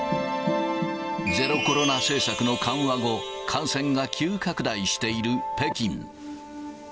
ゼロコロナ政策の緩和後、感染が急拡大している北京。